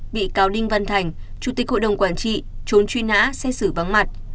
bị cáo đinh văn thành chủ tịch hội đồng quản trị trốn truy nã xét xử vắng mặt